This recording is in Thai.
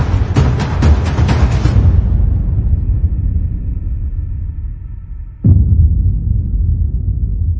สมมุติการให้ยังคอยเผื่อแต่อีกแค่๑ปี